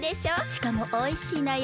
しかもおいしいのよ。